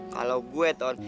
kalau gue ton